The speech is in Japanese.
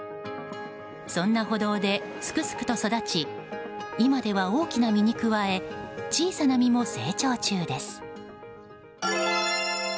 そんな歩道で、すくすくと育ち今では大きな実に加え小さな実も成長中です。